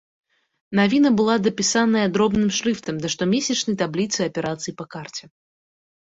Навіна была дапісаная дробным шрыфтам да штомесячнай табліцы аперацый па карце.